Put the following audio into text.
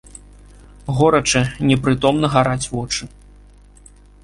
Горача, непрытомна гараць вочы.